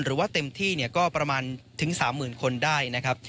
หรือว่าเต็มที่ก็ประมาณถึง๓๐๐๐คนได้นะครับ